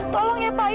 tolong ya pak ya